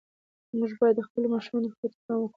موږ باید د خپلو ماشومانو روغتیا ته پام وکړو.